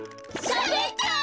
しゃべった！